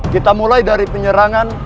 kita mulai dari penyerangan